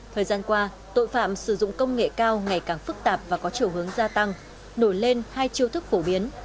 thời gian qua tội phạm sử dụng công nghệ cao ngày càng phức tạp và có chiều hướng gia tăng nổi lên hai chiêu thức phổ biến